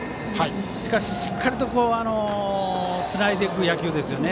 しかし、しっかりつないでいく野球ですよね。